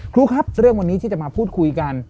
ครูครับเรื่องวันนี้ที่จะมาพูดคุยกัน